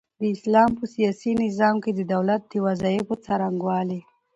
د اسلام په سياسي نظام کي د دولت د وظايفو څرنګوالي